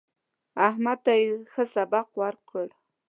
احمد ته يې ښه سبق ورکړ.